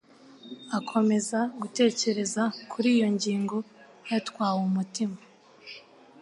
Akomeza gutekereza kuri iyo ngingo, yatwawe umutima.